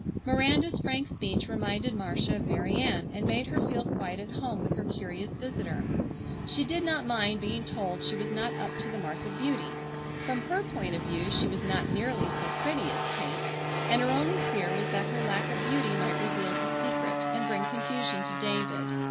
Miranda's frank speech reminded Marcia of Mary Ann and made her feel quite at home with her curious visitor. She did not mind being told she was not up to the mark of beauty. From her point of view she was not nearly so pretty as Kate, and her only fear was that her lack of beauty might reveal the secret and bring confusion to David.